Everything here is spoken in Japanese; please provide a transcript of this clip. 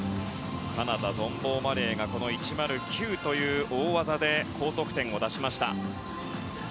カナダ、ゾンボーマレーがこの１０９という大技で高得点を出しました。